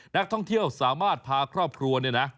นักท่องเที่ยวสามารถพาครอบครัวเนี่ยนะ